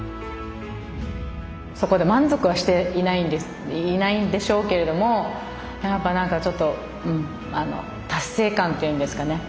そこで満足はしていないんでしょうけれどもやっぱ何かちょっとうん達成感っていうんですかね。